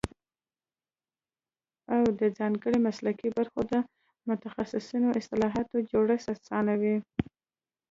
او د ځانګړو مسلکي برخو د متخصصو اصطلاحاتو جوړښت اسانوي